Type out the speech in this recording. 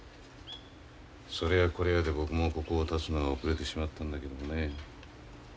それやこれやで僕もここをたつのが遅れてしまったんだけどもね。